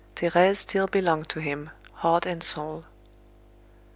Thérèse still belonged to him, heart and soul.